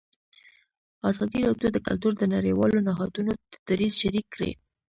ازادي راډیو د کلتور د نړیوالو نهادونو دریځ شریک کړی.